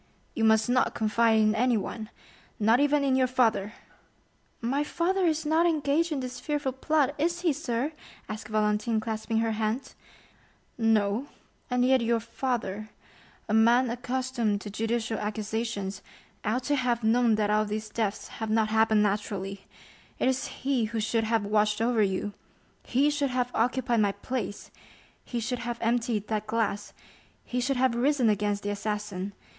"You must not confide in anyone—not even in your father." "My father is not engaged in this fearful plot, is he, sir?" asked Valentine, clasping her hands. "No; and yet your father, a man accustomed to judicial accusations, ought to have known that all these deaths have not happened naturally; it is he who should have watched over you—he should have occupied my place—he should have emptied that glass—he should have risen against the assassin.